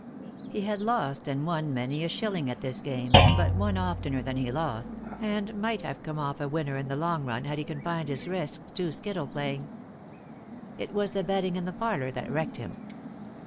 He had lost and won many a shilling at this game ; but won oftener than he lost, and might have come off a winner in the long run had he confined his risks to skittle playing, It was the betting in the parlour that wrecked him.